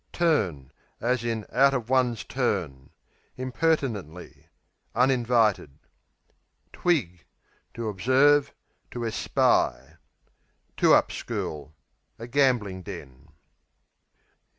Turn, out of one's Impertinently; uninvited. Twig To observe; to espy. Two up School A gambling den.